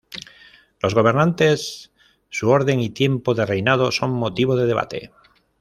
Los gobernantes, su orden y tiempo de reinado son motivo de debate.